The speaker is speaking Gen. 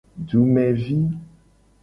Dumevi.